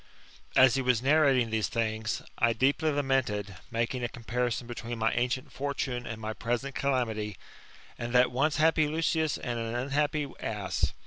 As he was narrating these things, I deeply lamented, making a comparison between my ancient fortune and my present calamity, and that once happy Lucius and an unhappy ass.